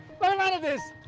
eh bagaimana tis